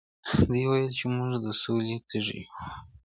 دوی وویل چې موږ د سولې تږي یو.